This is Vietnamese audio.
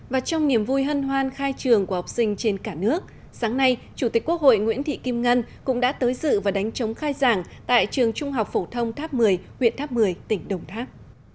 và trong niềm vui hân hoan khai trường của học sinh trên cả nước sáng nay chủ tịch quốc hội nguyễn thị kim ngân cũng đã tới dự và đánh chống khai giảng tại trường trung học phổ thông tháp một mươi huyện tháp một mươi tỉnh đồng tháp